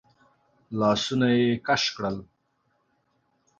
لاسونه يې کش کړل.